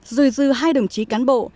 rồi dư hai đồng chí cán bộ